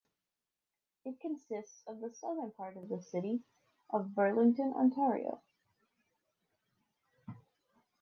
It consists of the southern part of the city of Burlington, Ontario.